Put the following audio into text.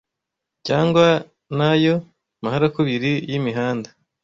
cyangwa n'ayo maharakubiri y'imihanda